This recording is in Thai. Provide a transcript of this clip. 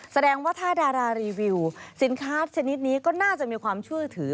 แสดงว่าถ้าดารารีวิวสินค้าชนิดนี้ก็น่าจะมีความเชื่อถือ